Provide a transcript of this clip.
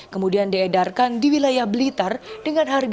ketiga yang dikumpulkan oleh petasan